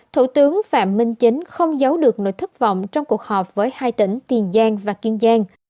thủ tướng phạm minh chính không giấu được nỗi thất vọng trong cuộc họp với hai tỉnh tiền giang và kiên giang